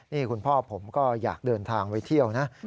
นี่คุณพ่อผมก็อยากเดินทางไปเที่ยวนะ